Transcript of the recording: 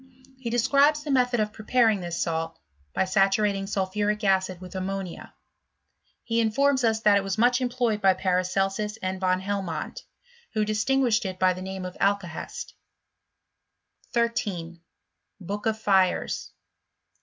He describes the method of preparing this salt, by saturating sulphuric acid with ammonia. He in i$>rms us that it was much employed by Paraodsas and Van Helmont, who distingnahed it by the name of alAakesi. 13. BookofPires.